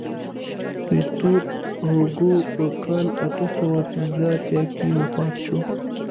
ویکتور هوګو په کال اته سوه پنځه اتیا کې وفات شو.